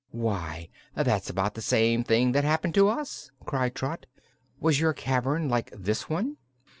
"Why, that's about the same thing that happened to us," cried Trot. "Was your cavern like this one?"